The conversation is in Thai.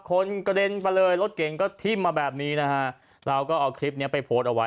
กระเด็นไปเลยรถเก่งก็ทิ้มมาแบบนี้นะฮะเราก็เอาคลิปเนี้ยไปโพสต์เอาไว้